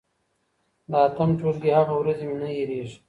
د اتم ټولګي هغه ورځې مي نه هېرېږي.